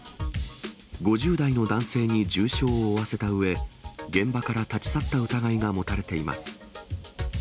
５０代の男性に重傷を負わせたうえ、現場から立ち去った疑いが持たれています。